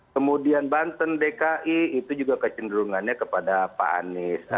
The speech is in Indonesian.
kemudian banten dki itu juga kecenderungannya kepada pak anies